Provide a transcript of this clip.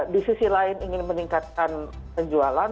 di sisi lain ingin meningkatkan penjualan